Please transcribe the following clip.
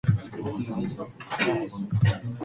頂你個肺！